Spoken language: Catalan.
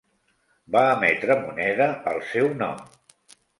Va emetre moneda al seu nom.